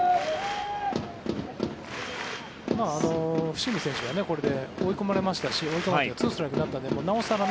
伏見選手はこれで追い込まれましたし２ストライクになったのでなお更